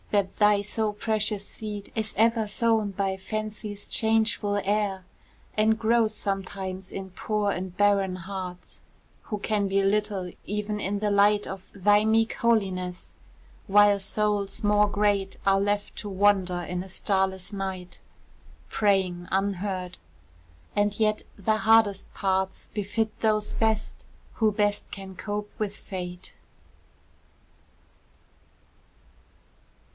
that thy so precious seed Is ever sown by Fancy's changeful air, And grows sometimes in poor and barren hearts, Who can be little even in the light Of thy meek holiness while souls more great Are left to wander in a starless night, Praying unheard and yet the hardest parts Befit those best who best can cope with Fate.